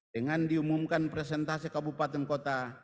dengan diumumkan presentase kabupaten kota